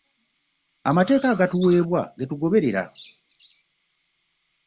Amateeka agaatuweebwa ge tugoberera.